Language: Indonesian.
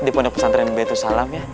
di pondok pesantren baitul salam ya